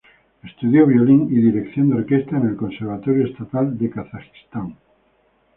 Estudió violín y dirección de orquesta en el Conservatorio Estatal de Kazajistán.